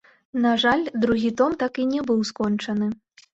На жаль, другі том так і не быў скончаны.